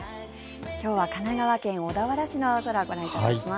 今日は神奈川県小田原市の青空ご覧いただきます。